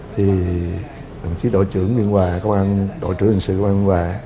thì đồng chí đội trưởng nguyễn hòa đội trưởng hình sự nguyễn hòa